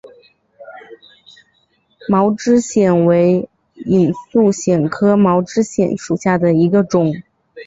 毛枝藓为隐蒴藓科毛枝藓属下的一个种。